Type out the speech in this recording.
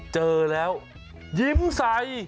เจอแล้วยิ้มใส